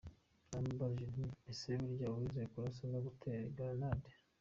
Naramubajije nti ese burya wize kurasa no gutera grenades ?